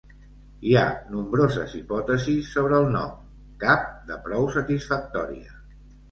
Hi ha nombroses hipòtesis sobre el nom, cap de prou satisfactòria.